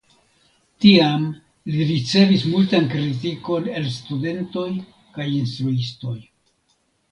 Tiam li ricevis multan kritikon el studentoj kaj instruistoj.